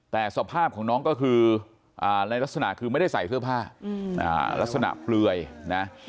แต่สภาพของน้องก็คือในลักษณะคือไม่ได้ใส่เสื้อผ้าลักษณะเปลือยนะ